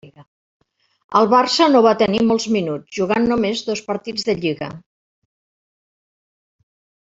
Al Barça no va tenir molts minuts, jugant només dos partits de lliga.